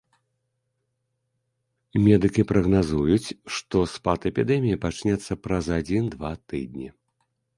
Медыкі прагназуюць, што спад эпідэміі пачнецца праз адзін-два тыдні.